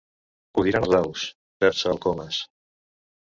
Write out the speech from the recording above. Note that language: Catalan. Ho diran els daus —terça el Comas—.